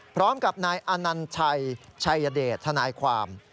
พร้อมกับนายอนัญชัยชัยเดชทนายความ